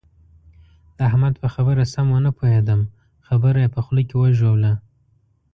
د احمد په خبره سم و نه پوهېدم؛ خبره يې په خوله کې وژوله.